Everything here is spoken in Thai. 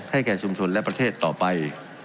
แก่ชุมชนและประเทศต่อไป